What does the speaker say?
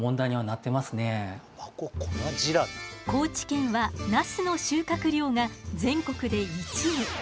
高知県はナスの収穫量が全国で一位。